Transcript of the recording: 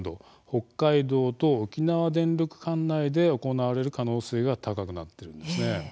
北海道と沖縄電力管内で行われる可能性が高くなっているんです。